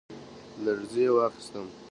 لـړزې واخيسـتم ،